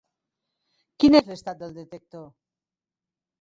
Quin és l'estat del detector?